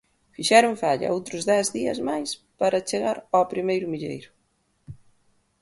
Fixeron falla outros dez días máis para chegar ao primeiro milleiro.